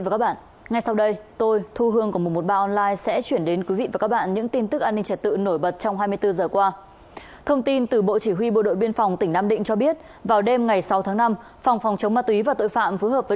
cảm ơn các bạn đã theo dõi